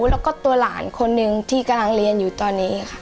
แล้วก็ตัวหลานคนหนึ่งที่กำลังเรียนอยู่ตอนนี้ค่ะ